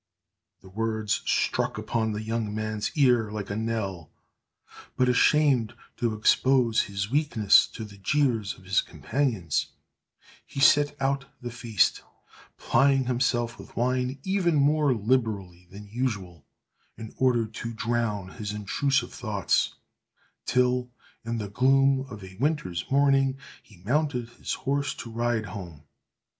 The words struck upon the young man's ear like a knell; but, ashamed to expose his weakness to the jeers of his companions, he sat out the feast, plying himself with wine even more liberally than usual, in order to drown his intrusive thoughts; till, in the gloom of a winter's morning, he mounted his horse to ride home.